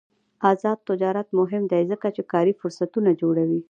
آزاد تجارت مهم دی ځکه چې کاري فرصتونه جوړوي.